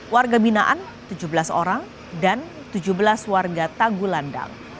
warga binaan tujuh belas orang dan tujuh belas warga tanggulandang